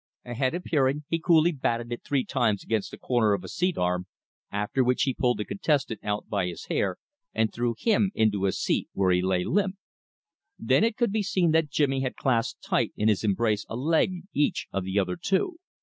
A head appearing, he coolly batted it three times against a corner of the seat arm, after which he pulled the contestant out by the hair and threw him into a seat where he lay limp. Then it could be seen that Jimmy had clasped tight in his embrace a leg each of the other two.